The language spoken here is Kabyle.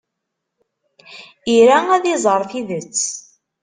Ira ad iẓer tidet.